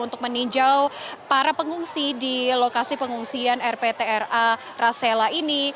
untuk meninjau para pengungsi di lokasi pengungsian rptra rasela ini